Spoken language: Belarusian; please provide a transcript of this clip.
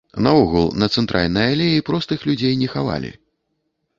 Наогул, на цэнтральнай алеі простых людзей не хавалі.